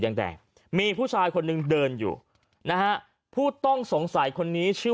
ยังแดงมีผู้ชายคนหนึ่งเดินอยู่นะฮะผู้ต้องสงสัยคนนี้ชื่อ